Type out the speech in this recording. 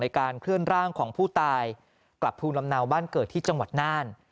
การเคลื่อนร่างของผู้ตายกลับภูมิลำเนาบ้านเกิดที่จังหวัดน่าน